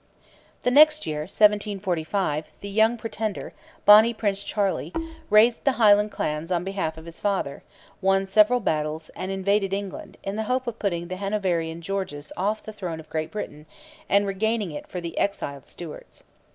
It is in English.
The next year, 1745, the Young Pretender, 'Bonnie Prince Charlie,' raised the Highland clans on behalf of his father, won several battles, and invaded England, in the hope of putting the Hanoverian Georges off the throne of Great Britain and regaining it for the exiled Stuarts.